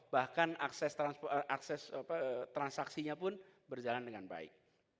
bahkan akses transaksinya pun berjalan dengan baik